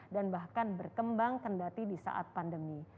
dan bahkan berkembang kendati di saat pandemi ini